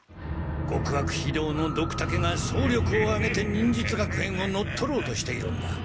極悪非道のドクタケが総力をあげて忍術学園を乗っ取ろうとしているんだ。